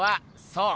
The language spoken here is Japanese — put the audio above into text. そう！